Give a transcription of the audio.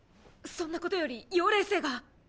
そんなことより妖霊星が！！